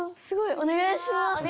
おねがいします。